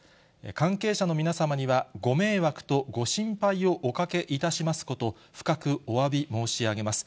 関係者の皆様には、ご迷惑とご心配をおかけいたしますこと、深くおわび申し上げます。